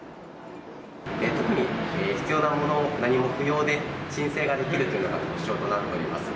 特に必要なもの、何も不要で、申請ができるというのが特徴となっております。